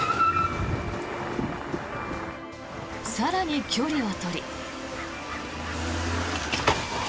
更に距離を取り。